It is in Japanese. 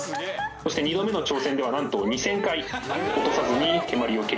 そして２度目の挑戦ではなんと２０００回落とさずに蹴鞠を蹴り上げ続けたと。